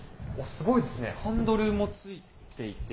すごいですね、ハンドルもついていて。